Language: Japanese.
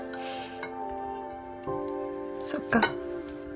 そっか。